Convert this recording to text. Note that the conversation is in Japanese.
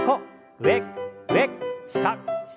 上上下下。